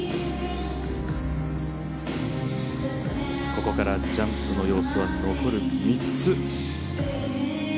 ここからジャンプの要素は残り３つ。